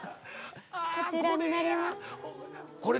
こちらになります。